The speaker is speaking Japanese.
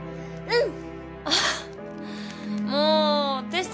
うん？